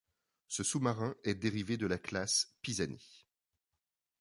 Ce sous-marin est dérivé de la classe classe Pisani.